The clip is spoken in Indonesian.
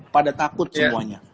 pada takut semuanya